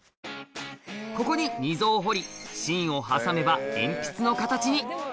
ここに、溝を彫り、芯を挟めば鉛筆の形に。